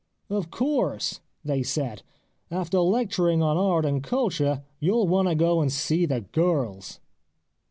* Of course,' they said, ' after lecturing on Art and Culture, you will want to go and see the girls.'